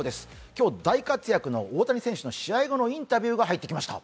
今日大活躍の大谷選手の試合後のインタビューが入ってきました。